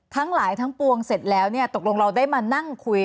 ทั้งหลายทั้งปวงเสร็จแล้วเนี่ยตกลงเราได้มานั่งคุย